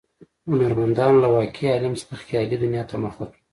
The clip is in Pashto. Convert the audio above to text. هنرمندانو له واقعي عالم څخه خیالي دنیا ته مخه کړه.